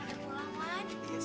saya sudah berada di rumah